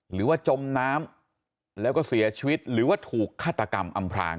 หรือว่าจมน้ำแล้วก็เสียชีวิตหรือว่าถูกฆาตกรรมอำพลาง